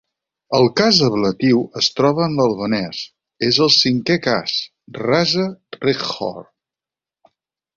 El cas ablatiu es troba en albanès; és el cinquè cas, "rasa rjedhore".